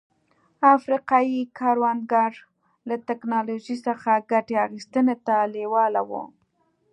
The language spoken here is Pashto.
افریقايي کروندګر له ټکنالوژۍ څخه ګټې اخیستنې ته لېواله وو.